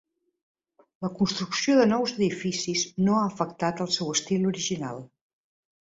La construcció de nous edificis no ha afectat el seu estil original.